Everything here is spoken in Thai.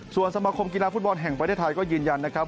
ส่วนสมาคมกีฬาฟุตบอลแห่งประเทศไทยก็ยืนยันนะครับ